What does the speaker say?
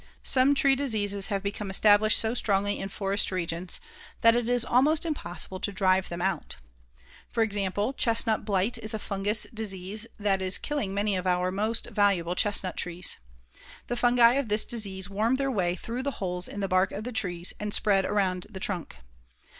Some tree diseases have become established so strongly in forest regions that it is almost impossible to drive them out. For example, chestnut blight is a fungous disease that is killing many of our most valuable chestnut trees. The fungi of this disease worm their way through the holes in the bark of the trees, and spread around the trunk.